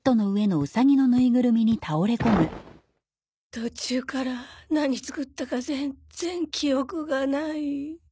途中から何作ったか全っ然記憶がない。